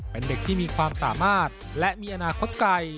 เป็นเด็กที่มีความสามารถและมีอนาคตไกล